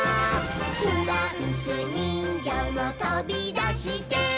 「フランスにんぎょうもとびだして」